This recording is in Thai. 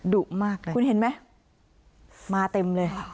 ดุมากเลยคุณเห็นไหมมาเต็มเลยค่ะ